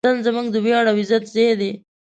وطن زموږ د ویاړ او عزت ځای دی.